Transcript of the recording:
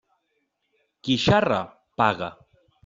Qui xarra, paga.